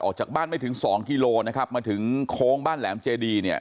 ออกจากบ้านไม่ถึงสองกิโลนะครับมาถึงโค้งบ้านแหลมเจดีเนี่ย